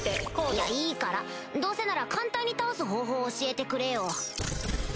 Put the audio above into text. いやいいからどうせなら簡単に倒す方法を教えてくれよ